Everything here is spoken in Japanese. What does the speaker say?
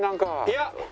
いや。